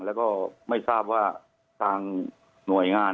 แล้วก็ไม่ทราบว่าทางหน่วยงาน